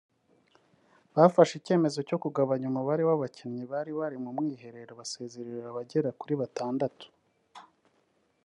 bafashe icyemezo cyo kugabanya umubare w’abakinnyi bari mu mwiherero basezerera abagera kuri batandatu